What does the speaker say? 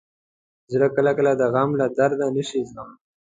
زړه کله کله د غم له درده نه شي زغملی.